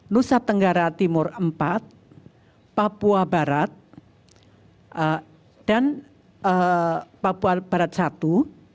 nusa tenggara timur iv papua barat i